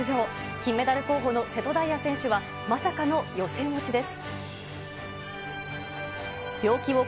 金メダル候補の瀬戸大也選手はまさかの予選落ちです。